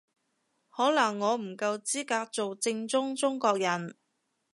可能我唔夠資格做正宗中國人